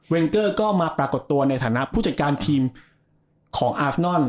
เกอร์ก็มาปรากฏตัวในฐานะผู้จัดการทีมของอาฟนอน